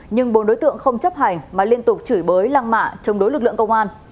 nhưng bốn đối tượng không chấp hành mà liên tục chửi bới lăng mạ chống đối lực lượng công an